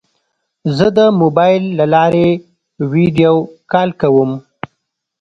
زه د موبایل له لارې ویدیو کال کوم.